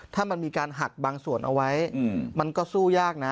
ถ้ามันมีการหักบางส่วนเอาไว้มันก็สู้ยากนะ